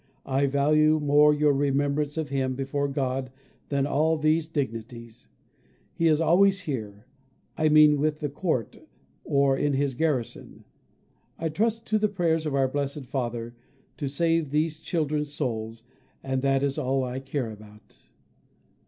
I value more your remembrance of him before God than all these dignities. He is always here, I mean with the court, or in his garrison. I trust to the prayers of our Blessed Father to save these children's souls, and that is all I care about.